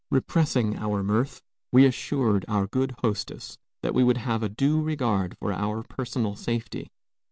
Repressing our mirth, we assured our good hostess that we would have a due regard for our personal safety.